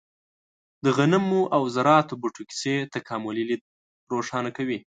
د غنمو او ذراتو بوټو کیسې تکاملي لید روښانه کوي.